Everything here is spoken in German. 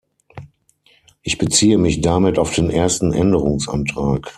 Ich beziehe mich damit auf den ersten Änderungsantrag.